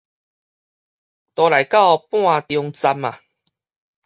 都來到半中站矣